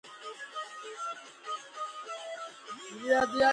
დაჯილდოებული იყო ღირსების ორდენით.